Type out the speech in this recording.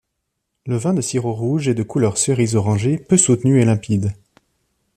Le vin de Cirò rouge est de couleur cerise orangé peu soutenu et limpide.